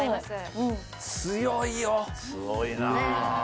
すごいなあ。